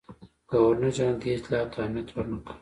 ګورنرجنرال دې اطلاعاتو ته اهمیت ورنه کړ.